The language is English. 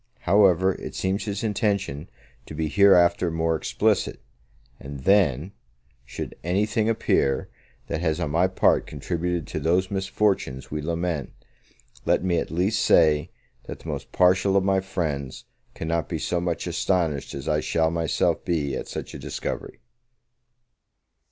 However, it seems his intention to be hereafter more explicit; and then, should anything appear, that has on my part contributed to those misfortunes we lament, let me at least say, that the most partial of my friends cannot be so much astonished as I shall myself be at such a discovery.